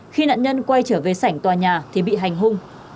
khi nạn nhân quay trở về sảnh tòa nhà thì bị hành hung